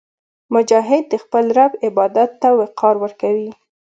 مجاهد د خپل رب عبادت ته وقار ورکوي.